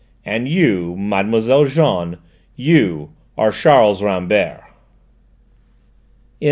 "And you, Mademoiselle Jeanne you are Charles Rambert!" XVIII.